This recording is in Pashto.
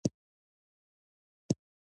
د اضافي ارزښت بیه په یو ځانګړي وېش ترلاسه کېږي